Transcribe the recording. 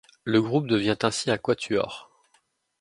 Le groupe devient ainsi un quatuor.